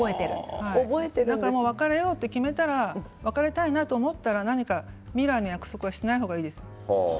別れようと決めたら別れたいなと思ったら未来の約束はしない方がいいです。